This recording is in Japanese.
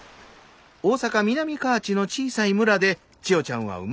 大阪・南河内の小さい村で千代ちゃんは生まれ育ちました。